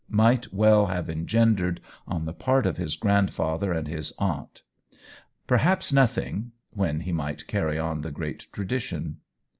l88 OWEN WINGRAVE might well have engendered on the part of his grandfather and his aunt. " Perhaps nothing "— when he might carry on the great tradition